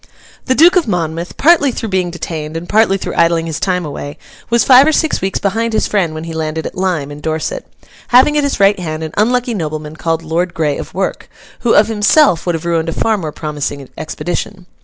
The Duke of Monmouth, partly through being detained and partly through idling his time away, was five or six weeks behind his friend when he landed at Lyme, in Dorset: having at his right hand an unlucky nobleman called Lord Grey of Werk, who of himself would have ruined a far more promising expedition.